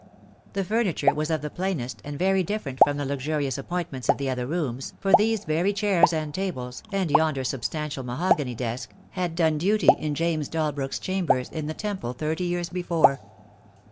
The furniture was of the plainest, and very different from the luxurious appointments of the other rooms, for these very chairs and tables, and yonder substantial mahogany desk, had done duty in James Dalbrook's chambers in the Temple thirty years before.